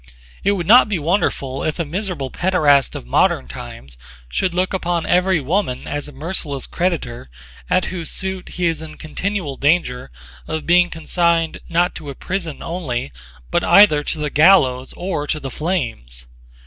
It would not be wonderful if a miserable paederast of modern times should look upon every woman as a merciless creditor at whose suit he is in continual danger of being consigned not to a prison only but either to the gallows or to the flames.